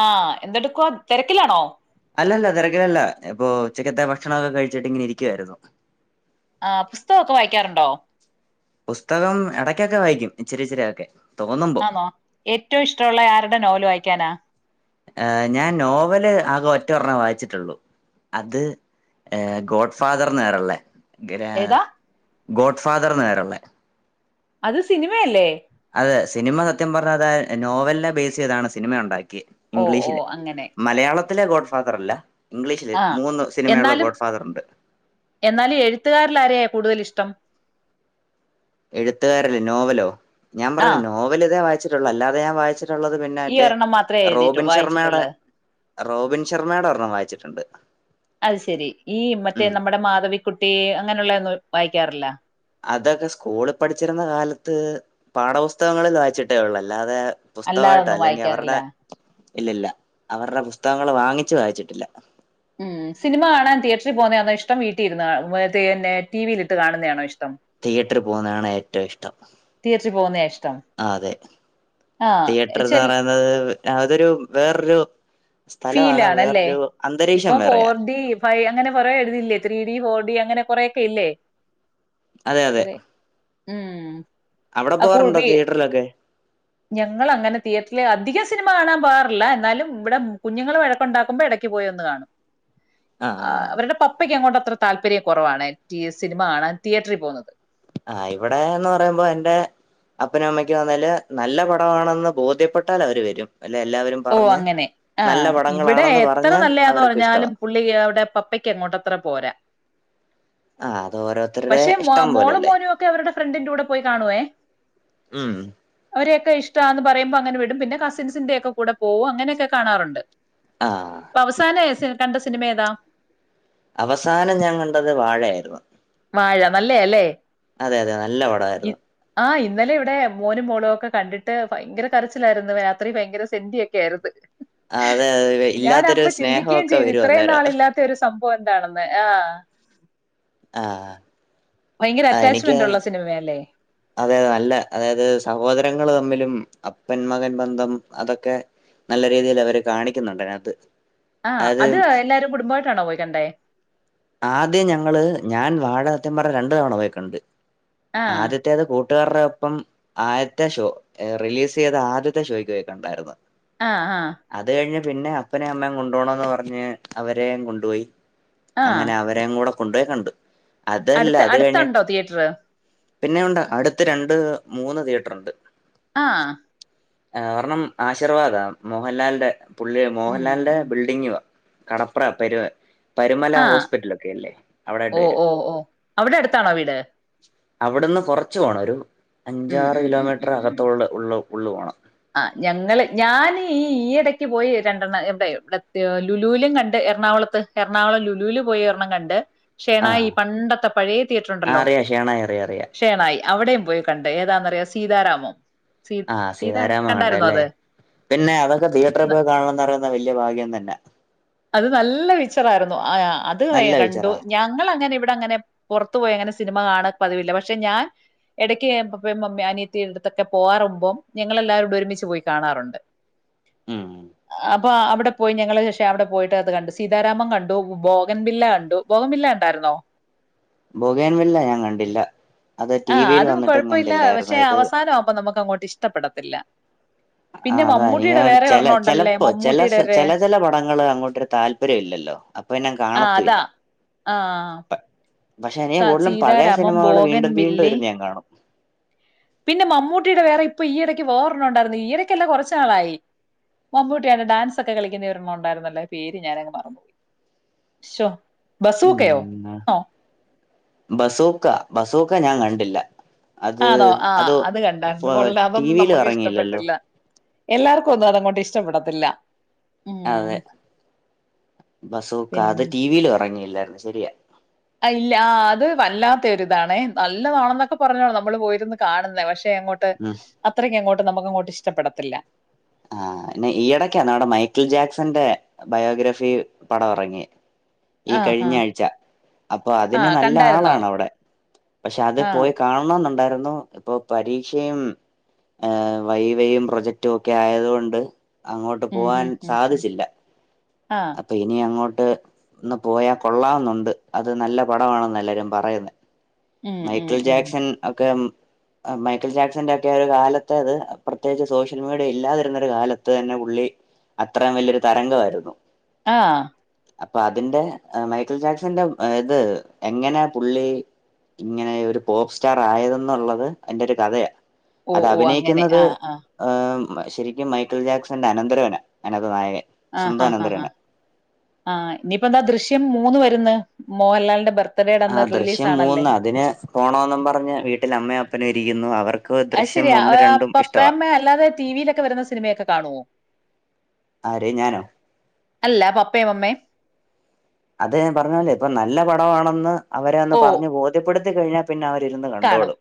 ആ എന്തെടുക്കുവാ തെരക്കിലാണോ? അല്ലല്ല തെരക്കിലല്ല ഞ്ഞാ ഇപ്പോ ഉച്ചക്കത്തെ ഭക്ഷണൊക്കെ കഴിച്ചിട്ട് ഇങ്ങനെ ഇരിക്ക്യവാരുന്നു ആ പുസ്തകമൊക്കെ വായിക്ക്യാറുണ്ടോ? പുസ്തകം എടയ്ക്കൊക്കെ വായിക്കും ഇച്ചിരി ഇച്ചിരി ഒക്കെ ആന്നോ ഏറ്റവും ഇഷ്ടവുള്ളേ ആരുടെ നോവല് വായിക്ക്യാനാ ആഹ് ഞാൻ നോവല് ആകെ ഒറ്റ ഒർണ്ണേവായിച്ചിട്ടൊള്ളൂ അത് ഗോഡ് ഫാദർന്ന് പേരൊള്ളെ ഗ്രാ ഏതാ ഗോഡ് ഫാദർന്ന് പേരൊള്ളെ അത് സിനിമയല്ലേ അതെ സിനിമ സത്യം പറഞ്ഞാത് നോവലിനെ ബേസ് ചെയ്താണ് സിനിമ ഒണ്ടാക്കിയെ ഓ ഓ ഇംഗ്ലീഷിലെ അങ്ങനെ മലയാളത്തിലെ ഗോഡ് ഫാദർ അല്ല ഇംഗ്ലീഷില് ആഹ് മൂന്ന് സിനിമയുള്ള എന്നാലും ഗോഡ് ഫാദർ ഉണ്ട് എന്നാലും എഴുത്തുകാരിലാരെയ കൂടുതലിഷ്ടം എഴുത്തുകാരല്ലേ നോവലോ ഞാൻ ആഹ് പറഞ്ഞല്ലോ നോവൽ ഇതേ വായിച്ചിട്ടുള്ളു അല്ലാതെ ഞാൻ വായിച്ചിട്ടുള്ളത് പിന്നെ ഈ മറ്റേ ഒരെണ്ണം മാത്രമേ എഴുതിയിട്ടു റോബിൻ ശർമ്മയുടെ വായിച്ചിട്ടുള്ളൂ റോബിൻ ശർമ്മയുടെ ഒരെണ്ണം വായിച്ചിട്ടുണ്ട് അത് ശെരി ഈ മറ്റേ ഉം നമ്മടെ മാധവിക്കുട്ടി അങ്ങനെയുള്ള ഒന്നും വായിക്കാറില്ല അതൊക്കെ സ്കൂളിൽ പഠിച്ചിരുന്ന കാലത്ത് പാഠപുസ്തകങ്ങളിൽ വായിച്ചിട്ടേ ഉള്ളൂ അല്ലാതെ പുസ്തകമായിട്ടാ അല്ലാതൊന്നും അല്ലെങ്കിൽ വായിക്കാറില്ല അവരുടെ ഇല്ലില്ല അവരുടെ പുസ്തകങ്ങള് വാങ്ങിച്ചു വായിച്ചിട്ടില്ല ഉം സിനിമ കാണാൻ തിയേറ്ററിൽ പോകുന്നയാണോയിഷ്ടം വീട്ടിലിര്ന്ന് പിന്നെ ടി വിയിലിട്ട് കാണുന്നതണോ ഇഷ്ടം തിയേറ്ററി പോകുന്നതാണ് ഏറ്റവും ഇഷ്ടം തിയേറ്റിൽ പോകുന്നയാ ഇഷ്ടം ആ അതെ ആഹ് തിയേറ്റർ എന്ന് ചെൽ പറയുന്നത് അതൊരു വേറൊരു സ്ഥലമാണ് ഫീലാണല്ലേ വേറൊരു അന്തരീക്ഷം ഇപ്പം ഫോർ വേറെയാ ഡി ഫൈവ് അങ്ങനെ കുറെേഴുതില്ലേ ത്രീ ഡി ഫോർ ഡി അങ്ങനെ കൊറേ ഒക്കെ ഇല്ലേ അതെ അതെ കൊറെ ഉം അവിടെ ആ പോവാറുണ്ടോ കുഴി തിയേറ്ററിലൊക്കെ ഞങ്ങളങ്ങനെ തിയേറ്ററില് അധികം സിനിമ കാണാൻ പോവാറില്ല എന്നാലും ഇവിടെ- കുഞ്ഞുങ്ങൾ വഴക്കുണ്ടാക്കുമ്പോ ഇടയ്ക്ക് പോയ് ഒന്ന് കാണും ആഹ് ആഹ് അവരുടെ പപ്പ- പ്പക്ക് അങ്ങോട്ട് അത്ര താല്പര്യം കൊറവാണ് ഈ സിനിമ കാണാൻ തിയേറ്ററിൽ പോകുന്നത് ആഹ് ഇവിടെന്ന് പറയുമ്പോ എന്റെ അപ്പനും അമ്മയ്ക്കും ആന്നേല് നല്ല പടമാണെന്ന് ബോധ്യപ്പെട്ടാലവര് വരും അല്ലെ എല്ലാവരും ഓ പറഞ്ഞ് അങ്ങനെ നല്ല ആഹ് പടങ്ങളാണെന്ന് പറഞ്ഞാൽ അവർക്ക് ഇഷ്ടവാ പുള്ളിക്ക് അവിടെ പപ്പയ്ക്ക് അങ്ങോട്ടത്ര പോരാ ആഹ് അത് ഓരോരുത്തരുടെ പക്ഷെ മോ ഇഷ്ടം മോളും പോലല്ലേ മോനും ഒക്കെ അവരുടെ ഫ്രണ്ടിന്റെറെ കൂടെ പോയി കാണുവേ ഉം അവരെയൊക്കെ ഇഷ്ടാന്ന് പറയുമ്പോൾ അങ്ങനെ വിടും പിന്നെ കസിൻസിന്റെയൊക്കെ കൂടെ പോവും അങ്ങനെയൊക്കെ കാണാറുണ്ട് ആഹ് ഇപ്പൊ അവസാനം കണ്ട സിനിമ ഏതാ അവസാനം ഞാൻ കണ്ടത് വാഴയായിരുന്നു വാഴ നല്ലയാല്ലേ അതെ അതെ നല്ല പടമായിരുന്നു ആഹ് ഇന്നലെ ഇവിടെ മോനും മോളും ഒക്കെ കണ്ടിട്ട് ഭയങ്കര കരച്ചിലായിരുന്നു രാത്രി ഭയങ്കര സെൻഡിയൊ ഒക്കെയായിരുന്നു അതെ അതെ ഇല്ലാത്തൊരു ഞാനപ്പൊ ചിന്തിക്കുകയും സ്നേഹമൊക്കെ ചെയ്തു വരും ഇത്രയും അന്നേരം നാളില്ലാത്ത- ഇതിൻ്റെ ഒരു സംഭവം എന്താണെന്ന് ആഹ് ആഹ് ഭയങ്കര അറ്റാച്ച്മെന്റൊള്ള സിനിമയാല്ലേ അതെതെ നല്ല അതായത് സഹോദരങ്ങള് തമ്മിലും അപ്പൻ മകൻ ബന്ധം അതൊക്കെ നല്ല രീതിയിലവര് കാണിക്കുന്നുണ്ടതിനാത്ത് ആഹ് അത് എല്ലാരും കുടുംബമായിട്ടാണോ പോയിക്കണ്ടേ ആദ്യം ഞങ്ങള് ഞാൻ വാഴ സത്യം പറഞ്ഞാൽ രണ്ടു തവണ പോയിക്കണ്ട് ആ ആദ്യത്തേത് കൂട്ടുകാരുടെ ഒപ്പം ആദ്യത്തെ ഷോ റിലീസ് ചെയ്ത ആദ്യത്തെ ഷോയ്ക്ക് പോയിക്കണ്ടായിരുന്നു ആഹ് ആഹ് അത് കഴിഞ്ഞ് പിന്നെ അപ്പനേം അമ്മേം കൊണ്ടാേണാേന്ന് പറഞ്ഞ് അവരെം കൊണ്ടാേയി ആ അങ്ങനെ അവര് രേം കൂടെ കൊണ്ട് കണ്ട് അതല്ല അത് കഴിഞ്ഞി തീയേട്ട്റാ പിന്നെ ഉണ്ട് അടുത്ത് രണ്ട് മൂന്ന് തിയേറ്ററ് ഉണ്ട് ആഹ് ഏ് നർണം ആശീർവാദാ മോഹൻലാലിന്റെ പുള്ളി മോഹൻലാലിന്റെ ഉം ബിൽഡിങ്ങ്വാ കടപ്ര പെരുവ്‌ പരുമല ആ ഹോസ്പിറ്റൽ ഒക്കെ ഇല്ലേ ഓ അവിടായിട്ട്വരും ഓ ഓ അവിടെ എട്ത്താണോ വീട് അവ്ട്ന്ന് കാെറച്ച് പോണം ഒരു ഉം അഞ്ചാറ് ഉം ഉം കിലോമീറ്റർ അകത്താെള്ള് ഉള്ള ഉള്ളു പോണം ആഹ് ഞങ്ങള് ഞാന് ഈ ഈ ഈയിടക്ക് പോയി രണ്ടെണ്ണം എവ്ടെ ഇവിടെ ലുലൂലും കണ്ട് എറണാകുളത്ത് എറണാകുളം ലുലൂല് പോയി ഒരെണ്ണം കണ്ട് ഷേണായി ആഹ് പണ്ടത്തെ പഴയ തിയേറ്റർ ആഹ് ഉണ്ടല്ലോ അറിയാം ഷേണായി അറിയാം അറിയാം ഷേണായി അവടെയും പോയി കണ്ട് ഏതാന്നറിയാ സീതാരാമം സീ ആഹ് സീതാ സീതാരാമം കണ്ടായിരുന്നോ കണ്ടല്ലേ അത് പിന്നെ അതൊക്കെ തിയേറ്ററി ന- പോയി കാണന്നറയുന്ന വല്ല്യ ഭാഗ്യം തന്നെ അത് നല്ല പിക്ച്ചറായ്രുന്നു ആ അത് നല്ല കണ്ടു പിക്ചറാ ഞാൻ ഞങ്ങള് അങ്ങനെ ഇവിടെ അങ്ങനെ പാെർത്ത് പോയി അങ്ങനെ സിനിമ കാണ് പതിവില്ല പക്ഷെ ഞാൻ എടയ്ക്ക് പപ്പയും മമ്മി അനിയത്തിടുത്തൊക്കെ പോകാറുമ്പോം ഞങ്ങളെല്ലാവരൂടെ ഒരുമിച്ച് പോയി കാണാറുണ്ട് ഉം ആഹ് അപ്പ അവിടെ പോയി ഞങ്ങള് ട്ടെ അവടെ പോയിട്ട് അത് കണ്ടു സീതാരാമം കണ്ടു ബോഗൻ ബില്ല കണ്ടു ബോകൻ ബില്ല കണ്ടായിരുന്നോ ബോഗൻ വില്ല ഞാൻ കണ്ടില്ല അത് ടി ആഹ് വിയിൽ അതും വന്നിട്ടും കാെഴപ്പവില്ല കണ്ടില്ലായിരുന്നു പക്ഷേ ഇത് അവസാനമാവുമ്പോ നമുക്ക് അങ്ങോട്ട് ഇഷ്ടപ്പെടത്തില്ല പിന്നെ ആഹ് അതാ മമ്മൂട്ടിയുടെ ഈയട് വേറെ ചെല ഒരെണ്ണം ഉണ്ടല്ലേ ചെലപ്പോ ചെല മമ്മൂട്ടിയുടെ ഒരു ചെല ചെല പടങ്ങള് അങ്ങോട്ടരു താല്പര്യം ഇല്ലല്ലോ അപ്പൊ ഞാൻ കാണത്തില്ല ആഹ് പക്ഷെ എനിയ കൂടുതലും പഴയ സിനിമകള് വീണ്ടും വീണ്ടും ബോഗൻവില്ലേ ഇരുന്ന് ഞാൻ കാണും പിന്നെ മമ്മൂട്ടിയുടെ വേറെ ഇപ്പൊ ഈയിടയ്ക്ക് വേറൊരണം ഉണ്ടായിരുന്നു ഈയടയ്ക്കല്ല കാെറച്ച്നാളായി മമ്മൂട്ടിയാവ്ടെ ഡാൻസാെക്കെ കളിക്കുന്നയൊരെണ്ണം ഉണ്ടായിരുന്നല്ലോ പേര് ഞാനങ് മറന്നു പോയി ശോ ഉം ബസോക്ക ബസോക്ക ഞാൻ കണ്ടില്ല അത് ആണോ ആഹ് അത് കണ്ടായിരുന്നു കൊള്ളാ ടി അതൊന്നും വിൽ നമുക്ക് ഇറങ്ങിയില്ലല്ലോ ഇഷ്ടപ്പെട്ടില്ല എല്ലാർക്കും ഒന്നും അതങ്ങോട്ട് ഇഷ്ടപ്പെടത്തില്ല അതെ ഉം ബസാേക്ക അത് പിന്നെ ടീ വി യിലും എറങ്ങിയില്ലായിരുന്നു ശരിയാ അഹ് ഇല്ല ആഹ് അത് വല്ലാതൊരിതാണ് നല്ലതാണെന്നൊക്കെ പറഞ്ഞോണ് നമ്മള് പോയിരുന്ന് കാണുന്നെ പക്ഷെ എങ്ങോ ട്ട് ഉം അത്രയ്ക്ക് അങ്ങോട്ട് നമുക്ക്ങ്ങോട്ട് ഇഷ്ട്ടപ്പെടത്തില്ല ആഹ് പിന്നെ ഈയടക്കാ ന്നാടം മൈക്കിൾ ജാക്സന്റെ ബയോഗ്രഫി പടം എറങ്ങ്യ ഈ ആ ആ കഴിഞ്ഞ ആഴ്ച അപ്പൊ ആ അതിന് നല്ല കണ്ടായിരുന്നോ ആളാണ് അവ്ടെ പക്ഷെ അത് ആ പോയി കാണണംന്നുണ്ടായിരുന്നു ഇപ്പൊ പരീക്ഷയും ഏ് വൈവയും പ്രൊജക്ടു ഒക്ക ക്കെ ആയത്കൊണ്ട് അങ്ങോട്ട് ഉം പോവാൻ ഉം ഉം ഉം സാധിച്ചില്ല ആ ഇനി അങ്ങോട്ട് ഒന്ന് പോയാ കൊള്ളാംന്നുണ്ട് അത് നല്ല പടമാണെന്ന് എല്ലാരും പറയുന്ന് ഉം ഉം മൈക്കിൾ ഉം ജാക്സൺ ഒക്കെ മൈക്കിൾ ജാക്സന്റെ ഒക്കെ ഒരു കാലത്തത് പ്രത്യേകിച്ച് സോഷ്യൽ മീഡിയ ഇല്ലാതിരുന്ന ഒരു കാലത്ത് എന്നെ പുള്ളി അത്രാം വലിയൊരു തരംഗമായിരുന്നു ആഹ് അപ്പ അതിന്റെ എഹ് മൈക്കിൾ ജാക്സന്റെ ഏഹ് ഇത് എങ്ങനാ പുള്ളി ഇങ്ങനെ ഒരു പോപ്പ് സ്റ്റാർ ആയതെന്നുള്ളത് അതിന്റൊരു കഥയാ. ഓ അത് ഓ അങ്ങനെ അഭിനയിക്കുന്നത് ആ ആ ഏഹ് ശരിക്കും മൈക്കിൾ ജാക്സന്റെ അനന്തരവന അയിനാത്ത് നായകൻ. ആഹ് സ്വന്തം ഹാ ഹാ ഹാ അനന്തരവനാ ആഹ് ഇനി പ്പം എന്താ ദൃശ്യം മൂന്ന് വര്ന്ന്. മോഹൻലാലിന്റെ ബർ ആഹ് ദൃശ്യം മൂന്ന് അതിന് പോണോന്നും പറഞ്ഞ് വീട്ടിൽ അമ്മയും അപ്പനും ഇരിക്കുന്നു. അവർ അഹ്ശരിയാ. ഏഹ് പപ്പെയമ്മേം അല്ലാതെ ടി വിയിലൊക്കെ വരുന്ന സിനിമയൊക്കെ കാണുവോ? ആര് ഞാനോ. അല്ല പപ്പേം മമ്മേം. അത് ഞാൻ പറഞ്ഞ പോലേ ഇപ്പം നല്ല പടമാണെന്ന് അവരെ ഒന്ന് ഓ പറഞ്ഞ് ബോധ്യപ്പെടുത്തി കഴിഞ്ഞാ പിന്നെ അവരിരുന്ന് കാണും കണ്ടോളും.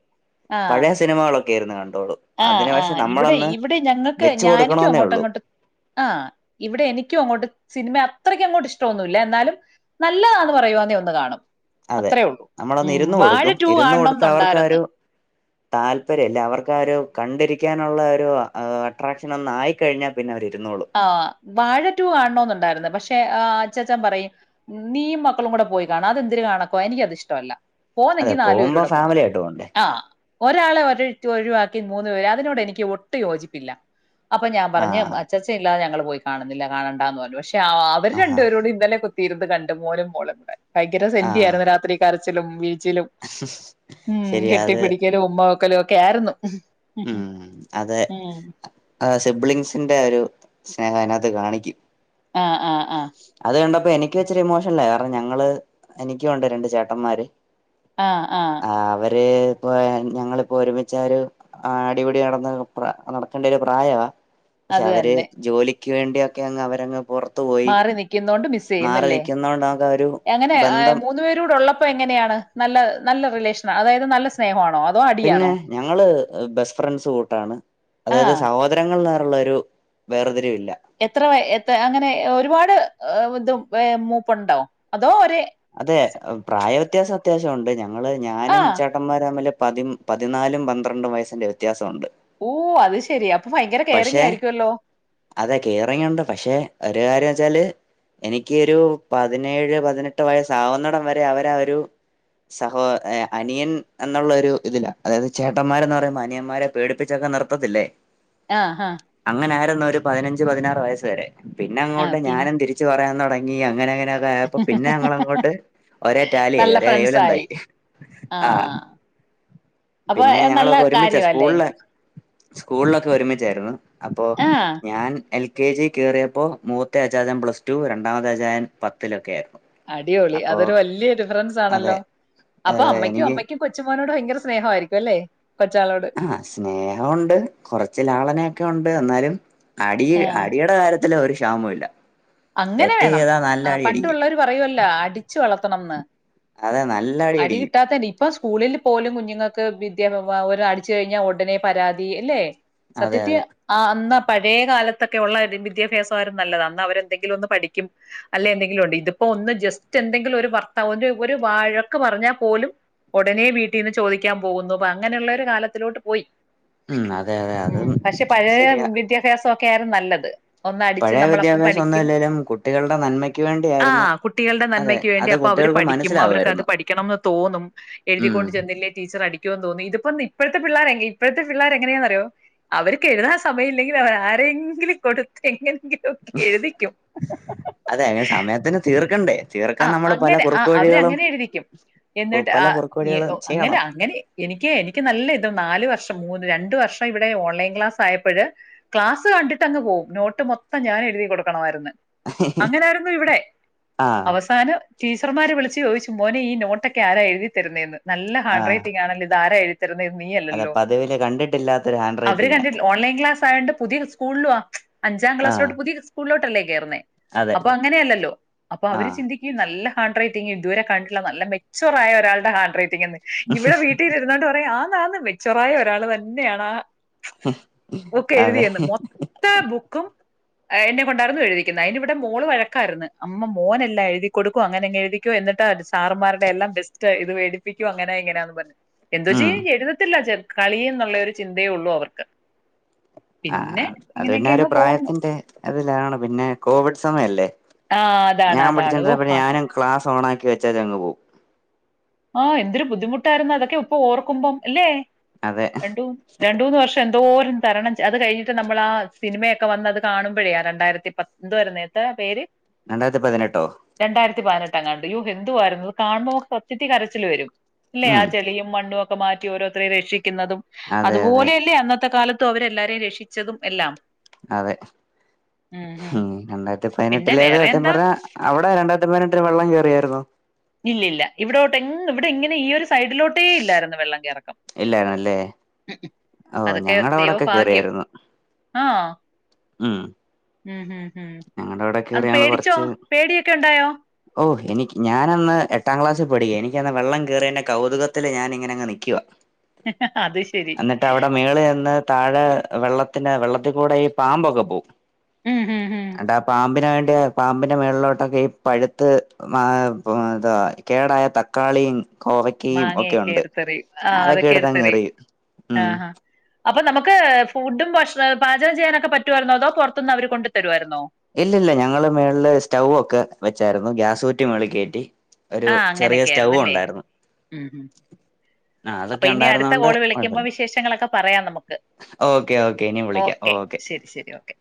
ആഹ് പഴയ സിനിമകളൊക്കെ ഇരുന്നു കണ്ടോളും. ആഹ് അതിന് പക്ഷെ ആഹ് ഇവിടെ നമ്മളൊന്ന് ഇവിടെ ഞങ്ങൾക്ക് വെച്ച് ഞാ നിക്കും കൊടുക്കണോന്നേ അങ്ങോട്ടും ഉള്ളൂ അങ്ങോട്ടും ആഹ് ഇവിടെ എനിക്കും അങ്ങോട്ട് സിനിമ അത്രയ്ക്ക് അങ്ങോട്ട് ഇഷ്ടവൊന്നുല്ല. എന്നാലും നല്ലതാന്ന് പറയുവാന്നേ ഒന്ന് കാണും. അതെ അത്രേ ഒള്ളൂ നമ്മളൊന്ന് ഉം. ഇരുന്ന് വാഴ കൊടുക്കും ടു കാണണം എന്നുണ്ടായിര്ന്ന്. താല്പര്യ അല്ല അവർക്കാ ഒരു കണ്ടിരിക്കാനുള്ള ഒരു ഏഹ് അട്രാക്ഷൻ ഒന്നായിക്കഴിഞ്ഞാ പിന്നെ അവരിരുന്നോള്ളും. ആഹ്. വാഴ ടു കാണണോന്നുണ്ടായിരുന്നു. പക്ഷെ ആഹ് അച്ഛാച്ചൻ പറയും നീയും മക്കളും കൂടെ പോയി കാണ് അതെന്തിര് കാണക്കോ എനിക്കത് ഇഷ്ടവല്ലാ. പോന്നെങ്കി അതെ നാലു പോകുമ്പോ പേരൂടെ പോണം ഫാമിലി ആയിട്ട് പോണ്ടേ ആഹ്. ഒരാളെ ഒര് റ്റു ഒഴിവാക്കി മൂന്ന് പേര് അതിനോട് എനിക്ക് ഒട്ടു യോജിപ്പില്ല. അപ്പം ഞാൻ പറഞ്ഞ്. ആഹ് അ ച്ഛാച്ചൻ ഇല്ലാതെ ഞങ്ങള് പോയി കാണുന്നില്ല കാണണ്ടാന്ന് പറഞ്ഞു. പക്ഷെ അഅവര് ആഹാ രണ്ടുപേരൂടി ഇന്നലെ കു ത്തിയിരുന്ന് കണ്ട് മോനും മോളും കൂടെ. ഭയങ്കര ആഹ് സെന്റിയാർന്നു രാത്രി കരച്ചിലും പിഴി ച്ചിലും ഉം ശരി അത് കെട്ടിപ്പിടിക്കലും ഉമ്മ വെക്കലും ഒക്കെ ആയിരുന്നു. ഉം അതെ. ഉം. അതാ സിബ്ലിങ്സിന്റെ ഒരു സ്നേഹം അയിനാത്ത് കാണിക്കും. ആഹ് ആഹ്. അത് കണ്ടപ്പം എനിക്കിച്ചരി ഇമോഷ്ണലായി. കാരണം ഞങ്ങള് എനിക്ക്യും ഉണ്ട് രണ്ട് ചേട്ടന്മാര്. ആഹ് ആഹ്. ആഹ് അവര് ഇപ്പ ഞങ്ങളിപ്പോ ഒരുമിച്ചാ ഒരു ആ അടിപിടി നടന്ന് പ്ര നടക്കെണ്ടൊരു പ്രായവാ. പക്ഷെ അത് അവര് തന്നെ ജോലിക്ക് വേണ്ടിയൊക്കെ അങ്ങ് അവരങ്ങ് പൊർ മാറി നിക്ക്യുന്നോണ്ട് മിസ് ചെയ്യുന്നല്ലേ. നിൽക്കുന്നോണ്ടാകെ ഒരു എങ്ങനെ ബന്ധം മൂന്നു പേരുടെ ഉള്ളപ്പ എങ്ങനെയാണ്? നല്ല നല്ല റിലേഷ്നാ അതായത് നല്ല സ്നേഹവാണോ, അ പിന്നെ ഞങ്ങള് ബെസ്റ്റ് ഫ്രണ്ട്സ് കൂട്ടാണ്. ആ അതായത് സഹോ ദരങ്ങൾ ന്നറുള്ളൊരു വേർതിരിവില്ല. എത്ര വയെ എത്ത അങ്ങനെ ഒരുപാട് ഇതും ഏഹ് മൂപ്പുണ്ടോ? അതോ ഒരേ, അതെ സ- പ്രായവ്യത്യാസം അത്യാവശ്യം ഉണ്ട്. ഞങ്ങള് ആ ഞാനും ചേട്ടന്മാരും തമ്മില് പതി പതിനാലും പന്ത്രണ്ടും വയസ്സിന്റെ വ്യത്യാസവുണ്ട്. ഊഹ് അത് ശെരി അപ്പോ ഫയങ്കര കെയറിങ് ആയിരിക്ക്യൊല്ലോ. അതെ കേയറിങ്ങ് ഉണ്ട് പക്ഷെ ഒരു കാര്യം വെച്ചാല് എനിക്ക് ഒരു പതിനേഴ് പതിനെട്ട് വയസ്സ് ആവുന്നെടം വരെ അവരാ ഒരു സഹോ എഹ് അനിയൻ എന്നുള്ളൊരു ഇതിലാ. അതായത് ചേട്ടന്മാരെന്ന് പറയുമ്പം അനിയന്മാരെ പേടിപ്പിച്ചൊക്കെ നിർത്തത്തില്ലേ. ആഹ് ഹാ അങ്ങനെ ആയിരുന്നു ഒരു പതിനഞ്ച് പതിനാറ് വയസ്സ് വരെ. പിന്നെ ആ അങ്ങോട്ട് പിൻ ഞാനും തിരി ച്ച് പറയാൻ തുടങ്ങി അങ്ങനെങ്ങനെ ഇതായപ്പം പിന്നെ ഞങ്ങളങ്ങോട്ട് ഒരേ ടാലിയായി നല്ല ഒരേ വേവ് ലെങ്ങ്ത് ഫ്രണ്ട്സായി. ആയി. ആഹ്. അപ്പൊ പിന്നെ ഏ, നല്ല ഞങ്ങളൊക്കെ ഒരുമിച്ചാ കാര്യാല്ലേ? സ്കൂളേ സ്കൂൾ ഒക്കെ ഒരുമിച്ചാരുന്നു അപ്പോ ആഹ്. ഞാൻ എൽ കെ ജി കേറിയപ്പോ മൂത്ത അച്ചാച്ചൻ പ്ലസ് ടു രണ്ടാമത്തെ അച്ചായൻ പത്തിലൊക്കെ ആരുന്നു അടിപൊളി അതൊരു വല്യ ഡിഫറൻസ് അതെ ആണല്ലോ അപ്പോ അതെ അമ്മയ്ക്കും എനിക്ക് അമ്മയ്ക്കും കൊച്ചുമോനോട് ഭയങ്കര സ്നേഹായിരിക്കും അല്ലേ കൊച്ചാളോട് ആഹ് സ്നേഹൊം ഉണ്ട് കൊറച്ച് ലാളനയൊക്കെ ഉണ്ട് എന്നാലും അടി ആഹ്. അടിയുടെ കാര്യ ത്തില് ഒരു ഷാമൂല്യ അങ്ങനെ വേണം ആഹ് പണ്ടുളെളാര് പറയോല്ല അടിച്ചു വളർത്തണംന്ന് അതെ നല്ല അടി അടിക്കും കിട്ടാത്തേന്റെ ഇ പ്പ സ്കൂളിൽ പോലും കുഞ്ങ്ങൾക്ക് വിദ്യാ വ അടിച്ചു കഴിഞ്ഞാൽ ഉടനെ പരാതി എല്ലേ അതെ സത്യത്തി അതെ ആ അന്നാപഴേ കാലത്തൊക്കെ ഒള്ള വിദ്യാഭ്യാസം ആരുന്നു നല്ലത് അന്ന് അവര് എന്തെങ്കിലൊന്ന് പഠിക്കും അല്ല എന്തെങ്കിലും ഉണ്ട് ഇതിപ്പോ ഒന്ന് ജസ്റ്റ് എന്തെങ്കിലും ഒരു വർത്ത ഒര് ഒര് വാഴക്ക് പറഞ്ഞാൽ പോലും ഉടനെ വീട്ടീന്ന് ചോദിക്കാ പോകുന്നു പ്പ അങ്ങനള്ളൊരു കാലത്തിലോട്ട് പോയി ഉം അതെ അതെ ഉം അതും പക്ഷെ പഴയ ശരിയാ വിദ്യാഭ്യാസോ ക്കേര് നല്ലത് ഒന്ന് അടിച്ച് പഴയ നമ്മളപ്പ വിദ്യാഭ്യാസം പഠി ഒന്നും ക്കും ഇല്ലേലും കുട്ടികളുടെ നന്മയ്ക്ക് വേണ്ടിയായിരുന്നു ആഹ് കുട്ടികള്ടെ അതെ നന്മയ്ക്ക് വേണ്ടി അത് അപ്പൊ അവര് കുട്ടികൾക്ക് പഠിക്കും അവർക്ക് അത് മനസ്സിലാവുമായിരുന്നു പഠിക്കണംന്ന് തോന്നും എഴുതിക്കൊണ്ട് ഉം ചെന്നില്ലേ ടീച്ചർ അടി ക്കോന്ന് തോന്നി ഇതിപ്പ ഇപ്പഴത്തെ പിള്ളേർ എ ഇപ്പഴത്തെ പിള്ളേർ എങ്ങനെയാന്നറിയോ അവര്ക്ക് എഴുതാൻ സമയല്ലെങ്കി വേറേ ആരെങ്കിലും കൊടുത്ത് എങ്ങനെങ്കിലും ഒക്കെ എഴുതി അതെ അങ്ങനെ സമയത്തിന് തീർക്കണ്ടേ തീർക്കാൻ ആഹ് നമ്മള് പല അങ്ങനെ കുറുക്ക് ആഹ് അവര് വഴികളും അങ്ങനെ എഴുതിക്കും കു- എന്നിട്ട് പല ആ കുറുക്ക് എ വഴികളും ഒ അങ്ങനെ ചെയ്യണം അങ്ങനെ എനിക്കേ എനിക്ക് നല്ല ഇത് നാല് വർഷം മൂന്ന് രണ്ട് വർഷം ഇവിടെ ഓൺലൈൻ ക്ലാസ് ആയപ്പഴ് ക്ലാസ് കണ്ടിട്ട് അങ്ങ് പോവും നോട്ട് മൊത്തം ഞാൻ എഴുതി കൊടുക്കണമാര്ന്ന് അങ്ങനാരുന്നു ഇവിടെ ആഹ് അവസാനം ടീച്ചർമാര്‌ വിളിച്ച് ചോയിച്ചു മോനേ ഈ നോട്ടൊക്കെ ആര എഴ്തി തര്ന്നേന്ന് നല്ല ഹാൻഡ് ആഹ് റൈറ്റിംഗ് ആണല്ലോ ഇന്താര എഴ്തി തരുന്നേ നീയല്ലല്ലോന്ന് വല്ലാത്തൊരു ഹാൻഡ്ര അവര് കണ്ടിട്ട് ഓൺലൈൻ ക്ലാസ് ആയോണ്ട് പുതിയ സ്കൂളും ആ അഞ്ചാം ആഹ് ക്ലാസ്സിലോട്ട് പുതി സ്കൂളോട്ടല്ലേ കേറ്ന്നേ അതെ അപ്പൊ അങ്ങനെയല്ലല്ലോ അപ്പൊ അവര് ആഹ് ചിന്തി ഈ നല്ല ഹാഡ് റൈറ്റിംഗ് ഇതുവരെ കണ്ടിട്ടില്ല നല്ല മെച്ചൊറായ ഒരാള്ടെ ഹാൻഡ് റൈ റ്റിങ്ങന്ന് ഇവിടെ വീട്ടിലിരുന്നൊണ്ട് പറയാ ആന്നാന്ന് മെച്ചൊറായ ഒരാള് തന്നെയാണ് ആ ഒക്കെ അതെ എഴുതിയന്ന് മൊ ത്ത ബുക്കും എന്നെ കൊണ്ടാരുന്നു എഴുതിക്കുന്ന അതിനിവിടെ മോള് വഴക്കാര്ന്ന് അമ്മ മോനെല്ലാം എഴുതി കൊടുക്കും അങ്ങനെ അങ്ങ് എഴുതിക്കോ എന്നിട്ട് സാർമാര്ടെ എല്ലാം ബെസ്റ്റ് ഇത് വേടി പ്പിക്കും അങ്ങനെ ഇങ്ങനാന്നും പറഞ് എന്തോ ഉം ചെയ്യും എഴുതത്തില്ല ചെ കളി എന്നുള്ളൊരു ചിന്തേ ഒള്ളൂ അവർക്ക് പിന്നെ ആഹ് അത് പിന്നെ ഇങ്ങനെയൊക്കെ ഒരു അങ്ങ് പോകുന്നു. പ്രായത്തിന്റെ അതിലാണ് പിന്നെ കോവിഡ് സമയല്ലേ ആ അതാണ് ഞാൻ അതാണ് ഓ പഠിച്ചൊണ്ടിരിന്നപ്പഴും ഞാനും ക്ലാസ് ഓണാക്കി വെച്ചേച്ചങ്ങ് പോവും ആഹ് എന്തൊരു ബുദ്ധിമുട്ടാരുന്നു അതൊക്കെ ഇപ്പ ഓർക്കുമ്പം എല്ലേ അതെ രണ്ടു രണ്ട് മൂന്ന് വർഷം എന്തോരം തരണം ചെ അത് കഴിഞ്ഞിട്ട് നമ്മൾ ആ സിനിമയൊക്കെ വന്നത് കാണുമ്പഴേ ആ രണ്ടായിരത്തി പ എന്തോ ആര്ന്നു ഏട്ടാ പേര് രണ്ടായിരത്തി പതിനെട്ടോ രണ്ടായിരത്തി പതിനെട്ടാങ്ങാട് യൂ ഹെന്ദു വാരുന്നു കാണുമ്പോ നമ്മക്ക് സത്യത്തി കരച്ചിൽ വരും ല്ലേ ആ ഉം ചെളിയും മണ്ണും ഒക്കെ മാറ്റി ഓരോരുത്തരേ രക്ഷിക്കുന്നതും അതെ അതെ അത്പോലെയല്ലേ അന്നത്തെ കാല ത്തും അവരല്ലാരെ രക്ഷിച്ചതും എല്ലാം അതെ ഉം ഉം ആഹ് രണ്ടായിരത്തി പിന്നെ പതിനെട്ടിലേത് വേറെ സത്യം എന്താ പറഞ്ഞാ അവിടെ രണ്ടായിരത്തി പതിനെട്ടില് വെള്ളം കയറിയായിരുന്നോ ഇല്ലില്ല ഇവിടോട്ട് എങ്ങ് ഇവിടെ ഇങ്ങനെ ഈ ഒരു സൈഡിലോട്ടേ ഇല്ലായിരുന്നു വെള്ളം കയറക്കം ഇല്ലായിരുന്നല്ലേ ഓഹ് അതൊക്കെ ഞങ്ങടെ അവിടൊക്ക ദൈവഭാഗ്യം കേറിയായിരുന്നു ആഹ് ഉം ഉം മ്ഹ് മ്ഹ് ഞങ്ങടെ അവിടെ അന്ന് പേടിച്ചോ പേടിയൊക്കെ ഉണ്ടായോ ഓഹ് എനിക് ഞാനന്ന് എട്ടാം ക്ലാസിൽ പഠിക്കാ എനിക്കന്ന് വെള്ളം കേറിയേന്റെ കൗതുകത്തില് ഞാനിങ്ങനെ അങ്ങ് നി [unintelligible] അത് ശരി എന്നിട്ട് അവിടെ മേളി വന്ന് താഴെ വെള്ളത്തിന് വെള്ളത്തിൽ കൂടെ ഈ പാമ്പൊക്കെ പോവും ഉം ഉം ഉം എന്നിട്ട് ആ പാമ്പിന് വേണ്ടി പാമ്പിന്റെ മേളിലോട്ടൊക്കെയും പഴുത്ത് ആഹ് ഇത് കേടായ തക്കാളിയും കോവക്കയും ഒക്കെ മാങ്ങയൊക്കെ ഉണ്ട് എടുത്തെറിയും ആഹ് അതൊക്കെ എടുത്ത് അങ്ങ് എടുത്തെറിയും എറിയും മ്ഹ് ആഹ് അപ്പൊ നമുക്ക് ഫുഡും ഭക്ഷണം പാചകം ചെയ്യാനൊക്കെ പറ്റുമായിരുന്നോ അതോ പൊറത്തിന്ന് അവര് കൊണ്ടു തരുമായിരുന്നോ ഇല്ലില്ല ഞങ്ങള് മേളില് സ്റ്റവ് ഒക്കെ വെച്ചായിരുന്നു ഗ്യാസ് കുറ്റി മേളിൽ കേറ്റി ഒരു ആഹ് ചെറിയ അങ്ങനെയൊക്കെ സ്റ്റൗ ആയിരുന്നല്ലേ ഉണ്ടായിരുന്നു ഉം ഉം ആ അപ്പൊ അതൊക്കെ ഇനി അടുത്ത ഉണ്ടായിരുന്നോണ്ട് കോള് വിളിക്കുമ്പോ കുഴപ്പമില്ല വിശേഷങ്ങളൊക്കെ പറയാം നമുക്ക് ഓക്കെ ഓക്കെ ഇനി വിളിക്കാം ഓക്കെ ശരി ശരി ഓക്കെ